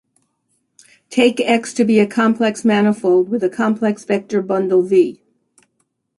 Take "X" to be a complex manifold with a complex vector bundle "V".